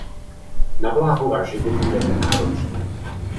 Na vláhu a živiny je nenáročný.